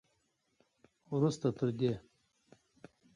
وروسته تر دې